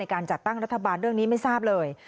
การจัดตั้งรัฐบาลเรื่องนี้ไม่ทราบเลย